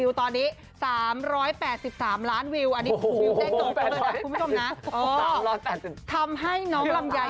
วิสัยก็ฝ่าดานเลิกกันกับเขา